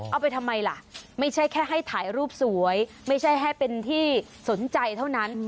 เอาไปทำไมล่ะไม่ใช่แค่ให้ถ่ายรูปสวยไม่ใช่ให้เป็นที่สนใจเท่านั้น